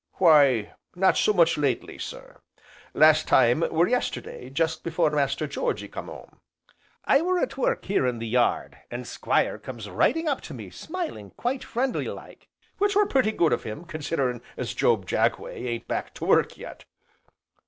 "Why, not so much lately, sir. Last time were yesterday, jest afore Master Georgy come 'ome. I were at work here in the yard, an' Squire comes riding up to me, smiling quite friendly like, which were pretty good of him, considering as Job Jagway ain't back to work yet.